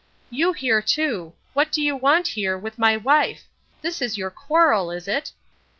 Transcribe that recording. "You here, too! What do you want here with my wife! This is your quarrel, is it?"